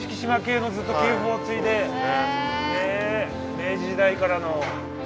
明治時代からの。